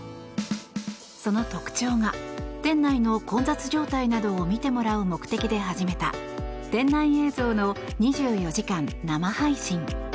その特徴が店内の混雑状態などを見てもらう目的で始めた店内映像の２４時間生配信。